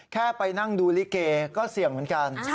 แค่ไปนั่งดูลิเกก็เสี่ยงเหมือนกัน